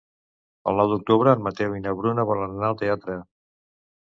El nou d'octubre en Mateu i na Bruna volen anar al teatre.